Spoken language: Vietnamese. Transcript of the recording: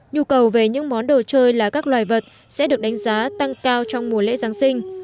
nhu cầu về những món đồ chơi là các loài vật sẽ được đánh giá tăng cao trong mùa lễ giáng sinh